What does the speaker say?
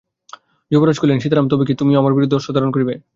যুবরাজ কহিলেন, সীতারাম, তবে কি তুমিও আমার বিরুদ্ধে অস্ত্র ধারণ করিবে?